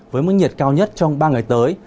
với mức nhiệt cao nhất trong ba ngày tới